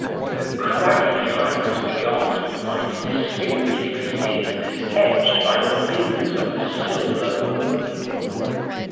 The craggy heights beyond might distinctly be seen, edged by the beams of the silver moon.